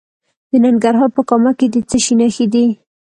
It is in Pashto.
د ننګرهار په کامه کې د څه شي نښې دي؟